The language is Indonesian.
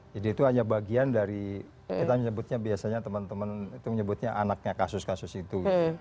jadi itu hanya bagian dari kita menyebutnya biasanya teman teman itu menyebutnya anaknya kasus kasus itu